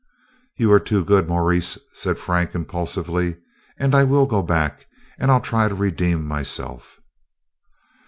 "You are too good, Maurice," said Frank impulsively, "and I will go back, and I 'll try to redeem myself."